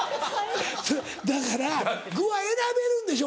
だから具は選べるんでしょ？